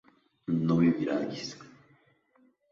no viviríais